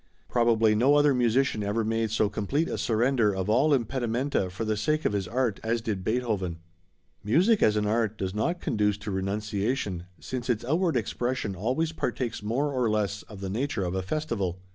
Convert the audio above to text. Probably no other musician ever made so complete a surrender of all impedimenta for the sake of his art as did Beethoven. Music as an art does not conduce to renunciation, since its outward expression always partakes more or less of the nature of a festival.